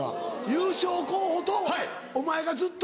優勝候補とお前がずっと。